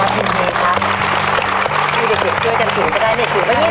ให้เด็กช่วยกันถือจะได้เนี่ย